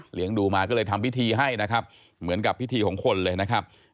ดูมาก็เลยทำพิธีให้นะครับเหมือนกับพิธีของคนเลยนะครับ